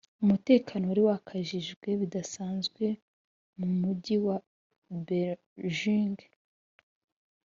Umutekano wari wakajijwe bidasanzwe mu Mujyi wa Beijing